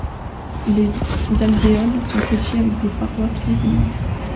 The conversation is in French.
Les alvéoles sont petits avec des parois très minces.